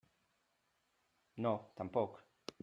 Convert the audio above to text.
No, tampoc.